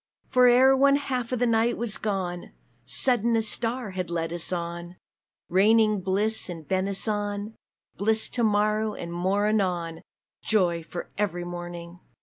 For ere one half of the night was gone, Sudden a star has led us on, Raining bliss and benison Bliss to morrow and more anon, Joy for every morning!